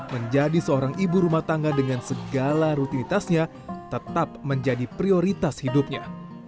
menjadi seorang ibu rumah tangga dengan segala rutinitasnya tetap menjadi prioritas hidupnya